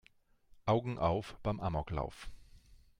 Augen auf beim Amoklauf!